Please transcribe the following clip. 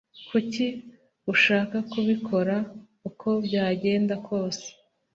Kuki ushaka kubikora uko byagenda kose?